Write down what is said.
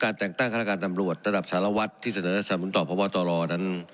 การแต่งตั้งฆาตการตำรวจระดับศาลวัฒน์ที่เสนอในสรรพุทธศาลวงศ์ต่อประวัตรรอนั้น